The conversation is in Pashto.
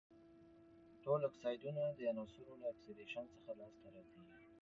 ټول اکسایدونه د عناصرو له اکسیدیشن څخه لاس ته راځي.